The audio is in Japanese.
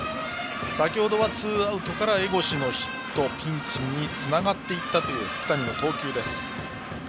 先ほどはツーアウトから江越のヒットでピンチにつながったという福谷の投球です。